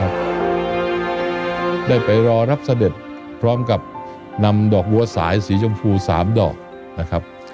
ได้ไปรอรับเสด็จพร้อมกับนำดอกบัวสายสีชมพู๓ดอกนะครับ